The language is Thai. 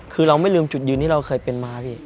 คือเราไม่ลืมจุดยืนที่เราเคยเป็นมาพี่